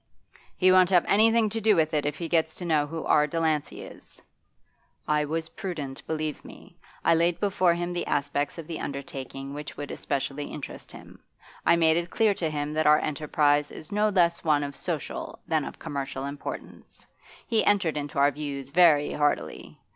'He won't have anything to do with it if he gets to know who R. Delancey is.' 'I was prudent, believe me. I laid before him the aspects of the undertaking which would especially interest him. I made it clear to him that our enterprise is no less one of social than of commercial importance; he entered into our views very heartily.